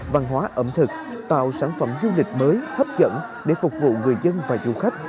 văn hóa ẩm thực tạo sản phẩm du lịch mới hấp dẫn để phục vụ người dân và du khách